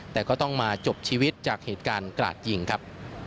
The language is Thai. แต่ก็ต้องมาจบชีวิตจากเหตุการณ์กราดยิงครับ